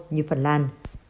như phần lan